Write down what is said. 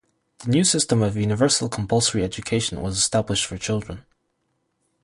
The new system of universal compulsory education was established for children.